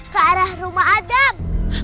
ke arah rumah adam